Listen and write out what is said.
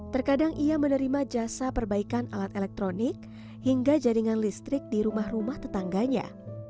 terkadang ia menerima jasa perbaikan alat elektronik hingga jaringan listrik di rumah rumah tetangganya